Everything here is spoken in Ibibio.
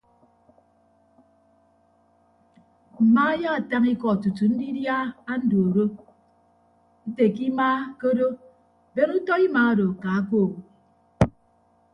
Mma ayaatañ iko tutu ndidia andooro nte ke ima ke odo ben utọ ima odo ka uko.